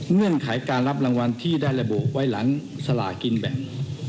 เงื่อนไขการรับรางวัลที่ได้ระบุไว้หลังสลากินแบ่ง